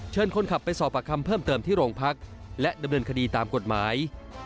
คนขับไปสอบประคำเพิ่มเติมที่โรงพักและดำเนินคดีตามกฎหมาย